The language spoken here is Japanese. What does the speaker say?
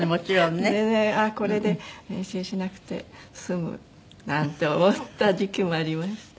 でねこれで練習しなくて済むなんて思った時期もありました。